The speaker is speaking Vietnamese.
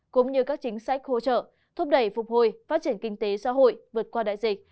cũng như các chính sách hỗ trợ thúc đẩy phục hồi phát triển kinh tế xã hội vượt qua đại dịch